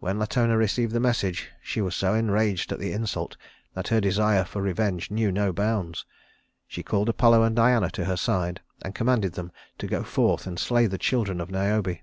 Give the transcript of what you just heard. When Latona received the message she was so enraged at the insult that her desire for revenge knew no bounds. She called Apollo and Diana to her side and commanded them to go forth and slay the children of Niobe.